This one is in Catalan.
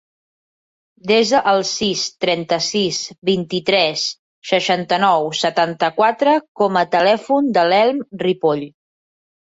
Desa el sis, trenta-sis, vint-i-tres, seixanta-nou, setanta-quatre com a telèfon de l'Elm Ripoll.